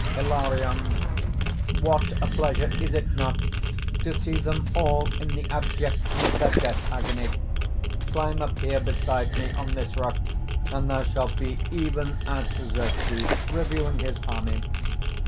_) HILARION. "What a pleasure, is it not! to see them all in the abjection of their death agony! Climb up here beside me, on this rock; and thou shalt be even as Xerxes, reviewing his army.